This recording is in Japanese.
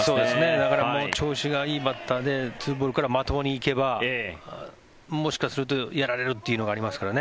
だから調子がいいバッターで２ボールからまともに行けばもしかするとやられるというのがありますからね。